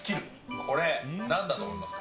これ、なんだと思いますか？